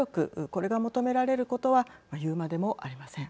これが求められることはいうまでもありません。